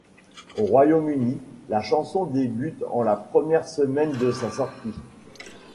Au Royaume-Uni, la chanson débute en la première semaine de sa sortie.